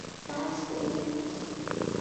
达乌里黄耆为豆科黄芪属的植物。